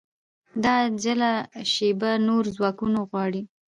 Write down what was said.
دا عاجله شېبه نور ځواکونه غواړي